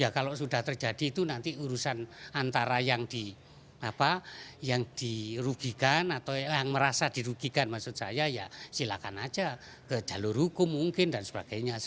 kalau sudah terjadi itu nanti urusan antara yang dirugikan atau yang merasa dirugikan maksud saya ya silakan aja ke jalur hukum mungkin dan sebagainya